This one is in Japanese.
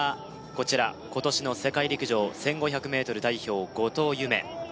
こちら今年の世界陸上１５００ｍ代表後藤夢